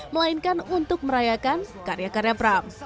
melainkan untuk merayakan karya karya prams